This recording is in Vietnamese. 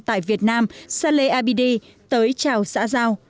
tại việt nam saleh abidi tới chào xã giao